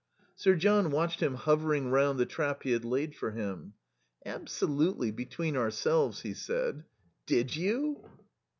Sir John watched him hovering round the trap he had laid for him. "Absolutely between ourselves," he said. "Did you?"